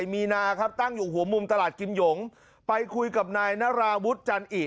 มีนาครับตั้งอยู่หัวมุมตลาดกิมหยงไปคุยกับนายนาราวุฒิจันอิ